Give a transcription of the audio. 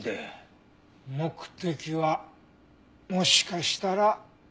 目的はもしかしたら。